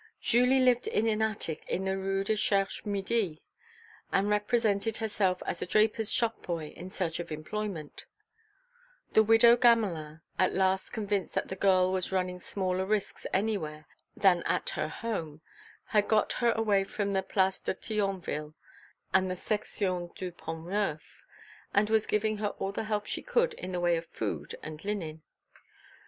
Julie lived in an attic in the Rue du Cherche Midi and represented herself as a draper's shop boy in search of employment; the widow Gamelin, at last convinced that the girl was running smaller risks anywhere else than at her home, had got her away from the Place de Thionville and the Section du Pont Neuf, and was giving her all the help she could in the way of food and linen.